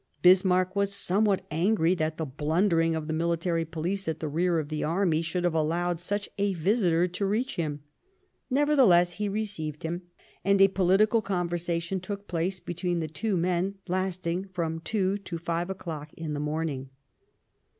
Bismarck was somewhat angry that the blundering of the Military Police at the rear of the army should have allowed such a visitor to reach him. Nevertheless, he received him, and a political conversation took place between the two men, lasting from two to five o'clock in the morning.